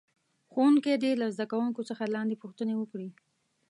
ښوونکی دې له زده کوونکو څخه لاندې پوښتنې وکړي.